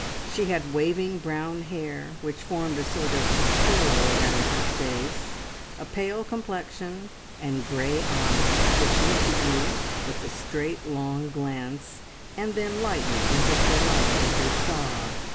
She had waving brown hair, which formed a sort of halo round her face, a pale complexion, and grey eyes which looked at you with a straight long glance, and then lightened as if they liked what they saw.